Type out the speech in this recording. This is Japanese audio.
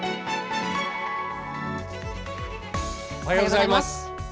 「おはようございます」。